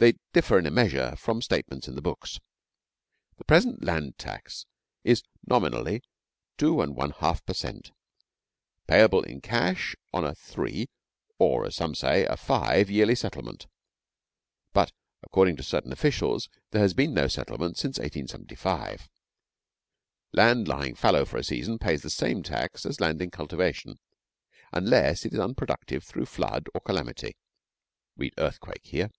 They differ in a measure from statements in the books. The present land tax is nominally 2 1/2 per cent, payable in cash on a three, or as some say a five, yearly settlement. But, according to certain officials, there has been no settlement since 1875. Land lying fallow for a season pays the same tax as land in cultivation, unless it is unproductive through flood or calamity (read earthquake here).